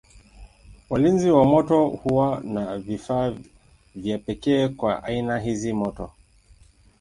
Walinzi wa moto huwa na vifaa vya pekee kwa aina hizi za moto.